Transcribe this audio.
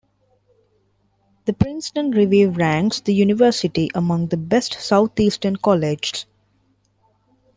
The Princeton Review ranks the university among the Best Southeastern Colleges.